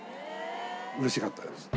嬉しかったです。